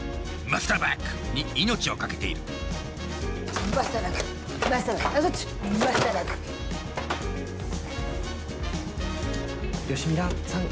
マスターバック！に命を懸けている吉ミラさん